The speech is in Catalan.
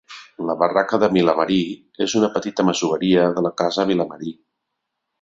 La Barraca de Vilamarí és una petita masoveria de la casa Vilamarí.